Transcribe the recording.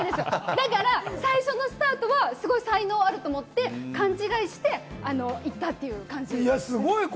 だから最初のスタートはすごく才能あると思って勘違いして行ったという感じ。